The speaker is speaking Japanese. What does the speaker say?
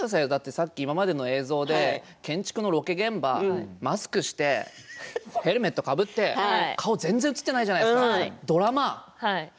さっきの映像で建築のロケ現場マスクしてヘルメットをかぶって顔、全然映ってないじゃないですか。